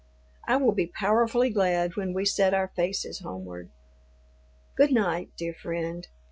I will be powerfully glad when we set our faces homeward. Good night, dear friend.